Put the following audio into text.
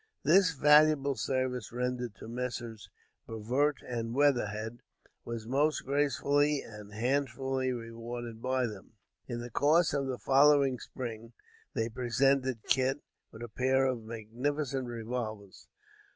This valuable service rendered to Messrs. Brevoort and Weatherhead, was most gracefully and handsomely rewarded by them. In the course of the following spring, they presented Kit with a pair of magnificent revolvers.